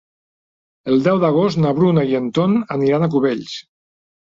El deu d'agost na Bruna i en Ton aniran a Cubells.